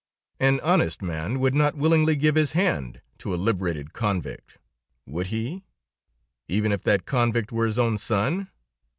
"An honest man would not willingly give his hand to a liberated convict, would he, even if that convict were his own son?